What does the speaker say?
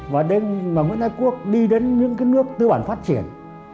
và đến mà nguyễn đại quốc đi đến những cái nước tư bản phát triển